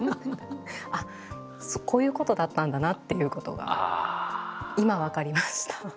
あっこういうことだったんだなっていうことが今分かりました。